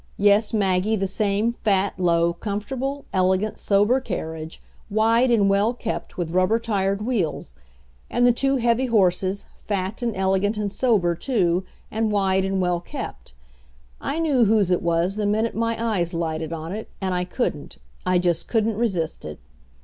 Yes, Maggie, the same fat, low, comfortable, elegant, sober carriage, wide and well kept, with rubber tired wheels. And the two heavy horses, fat and elegant and sober, too, and wide and well kept. I knew whose it was the minute my eyes lighted on it, and I couldn't I just couldn't resist it.